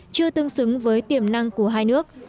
chưa tương xứng với tiềm năng của hai nước